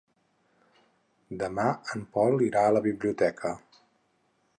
Demà en Pol irà a la biblioteca.